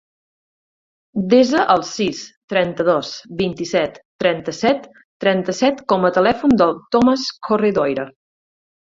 Desa el sis, trenta-dos, vint-i-set, trenta-set, trenta-set com a telèfon del Thomas Corredoira.